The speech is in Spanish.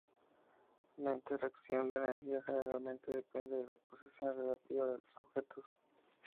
La interacción de energía generalmente depende de la posición relativa de los objetos.